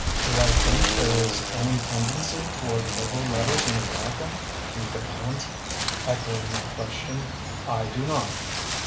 "Do I think there is any tendency toward liberal letters in America?" he demands, echoing my question. "I do not."